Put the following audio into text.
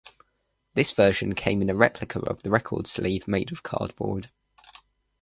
This version came in a replica of the record sleeve made of cardboard.